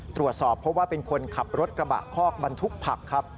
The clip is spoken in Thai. ตรวจสอบเพราะว่าเป็นคนขับรถกระบะคอกบรรทุกผักครับ